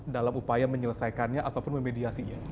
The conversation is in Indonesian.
dalam upaya menyelesaikannya ataupun memediasinya